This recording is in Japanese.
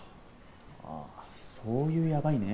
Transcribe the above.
ああそういうヤバいね。